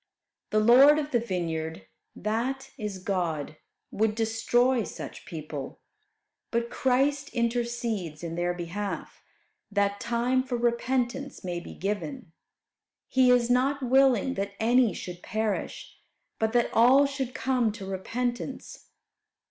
The Lord of the vineyard, that is, God, would destroy such people, but Christ intercedes in their behalf, that time for repentance may be given. "He is not willing that any should perish, but that all should come to repentance."